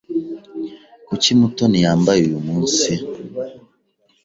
Kuki Mutoni yambaye uyu munsi?